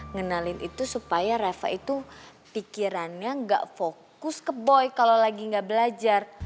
ngenalin itu supaya reva itu pikirannya nggak fokus ke boy kalau lagi nggak belajar